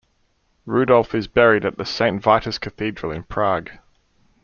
Rudolph is buried at the Saint Vitus Cathedral in Prague.